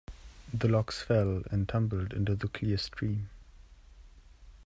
The logs fell and tumbled into the clear stream.